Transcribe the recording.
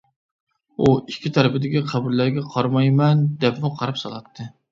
ئۇ ئىككى تەرىدىكى قەبرىلەرگە قارىمايمەن دەپمۇ قاراپ سالاتتى.